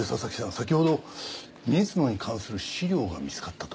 先ほど水野に関する資料が見つかったと？